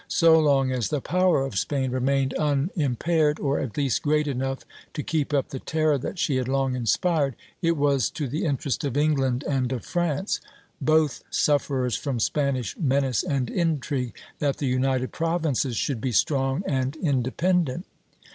So long as the power of Spain remained unimpaired, or at least great enough to keep up the terror that she had long inspired, it was to the interest of England and of France, both sufferers from Spanish menace and intrigue, that the United Provinces should be strong and independent.